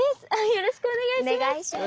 よろしくお願いします。